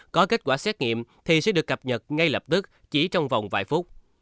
có kết quả xét nghiệm thì sẽ được cập nhật ngay lập tức chỉ trong vòng vài phút